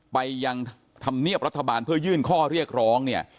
ไปยังธรรมเนียบรัฐบาลเพื่อยื่นข้อเรียกร้องเนี่ย